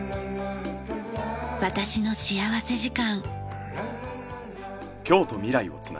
『私の幸福時間』。